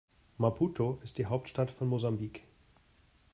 Maputo ist die Hauptstadt von Mosambik.